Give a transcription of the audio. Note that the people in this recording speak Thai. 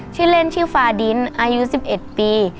ชื่อเล่นชื่อฟาดินอายุ๑๑ปี